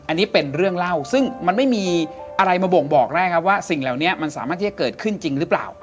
อันนี้เป็นเรื่องเล่าซึ่งมันไม่มีอะไรมาบ่งบอกได้ครับว่าสิ่งเหล่านี้มันสามารถที่จะเกิดขึ้นจริงหรือเปล่า